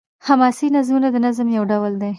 حماسي نظمونه د نظم يو ډول دﺉ.